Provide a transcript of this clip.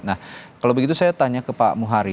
nah kalau begitu saya tanya ke pak muhari